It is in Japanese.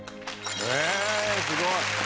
えすごい！